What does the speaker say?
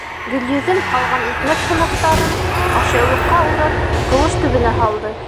Гөлйөҙөм ҡалған икмәк һыныҡтарын, ашъяулыҡҡа урап, ҡыуыш төбөнә һалды.